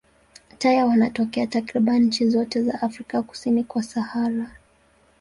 Taya wanatokea takriban nchi zote za Afrika kusini kwa Sahara.